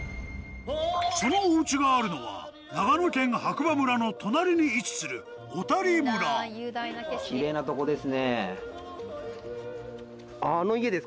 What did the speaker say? そのお家があるのは長野県白馬村の隣に位置する小谷村きれいなとこですね。